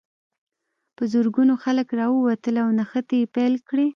په زرګونو خلک راووتل او نښتې یې پیل کړې.